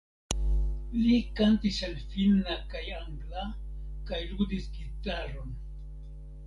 Li kantis en finna kaj angla kaj ludis gitaron.